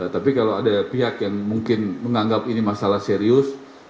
tapi kalau ada pihak yang mungkin menganggap ini masalah serius